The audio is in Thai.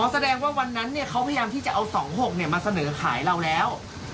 อ๋อแสดงว่าวันนั้นเนี่ยเขาพยายามที่จะเอาสองหกเนี่ยมาเสนอขายเราแล้ว